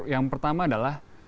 yang pertama adalah